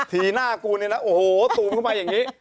ทีหน้ากูเนี่ยนะโอ้โหตูมเข้าไปอย่างนี้